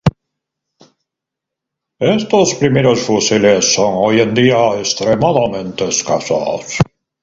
Estos primeros fusiles son hoy en día extremadamente escasos.